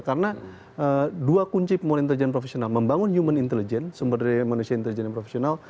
karena dua kunci pemula intelijen yang profesional membangun human intelijen sumber daya manusia yang profesional